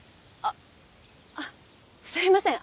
あっすいません